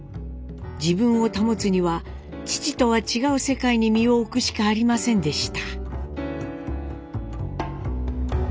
自分を保つには父とは違う世界に身を置くしかありませんでした。